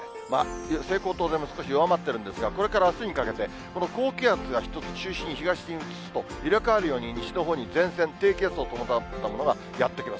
西高東低も少し弱まってるんですが、これからあすにかけて、この高気圧が１つ、中心を東に移すと、入れ代わるように西のほうに前線、低気圧を伴ったものがやって来ます。